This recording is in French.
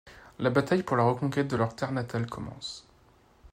La bataille pour la reconquête de leur terre natale commence.